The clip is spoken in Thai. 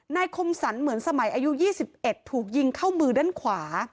คมสรรเหมือนสมัยอายุ๒๑ถูกยิงเข้ามือด้านขวา